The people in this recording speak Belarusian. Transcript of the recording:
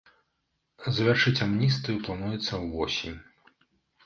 Завяршыць амністыю плануецца ўвосень.